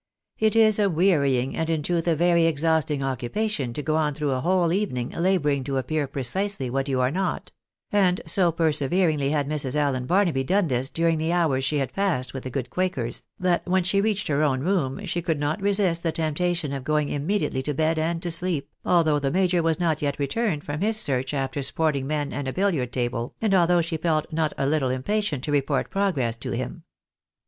It is a wearying, and in truth a very exhausting occupation to go on through a whole evening labouring to appear precisely what you are not ; and so perseveringly had Mrs. Allen Barnaby done this during the hours she had passed with the good quakers, that when she reached her own room she could not resist the temptation of going immediately to bed and to sleep, although the major was not yet returned from his search after sporting men and a bilhard table, and althou^ she felt not a little impatient to report progress to him.